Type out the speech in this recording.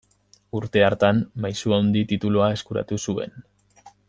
Urte hartan Maisu Handi titulua eskuratu zuen.